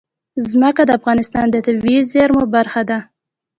ځمکه د افغانستان د طبیعي زیرمو برخه ده.